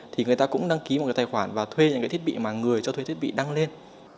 thì người ta cũng đăng ký một cái tài khoản và thuê những cái thiết bị mà người cho thuê thiết bị đăng lên